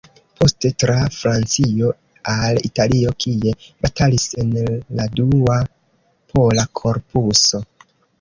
Poste tra Francio al Italio, kie batalis en la Dua Pola Korpuso.